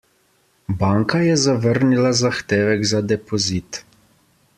Banka je zavrnila zahtevek za depozit.